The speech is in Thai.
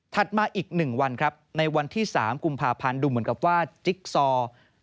มาอีก๑วันครับในวันที่๓กุมภาพันธ์ดูเหมือนกับว่าจิ๊กซอร์